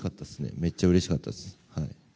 めっちゃうれしかったです。